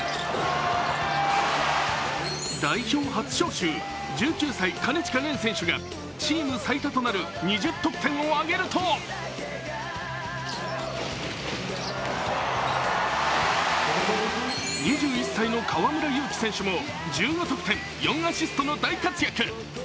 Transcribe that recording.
代表初招集、１９歳金近廉選手がチーム最多となる２０得点を挙げると２１歳の河村勇輝選手も１５得点４アシストの大活躍。